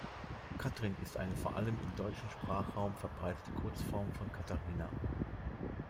Katrin ist eine vor allem im deutschen Sprachraum verbreitete Kurzform von Katharina.